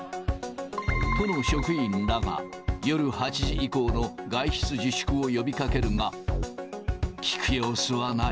都の職員らが、夜８時以降の外出自粛を呼びかけるが、聞く様子はない。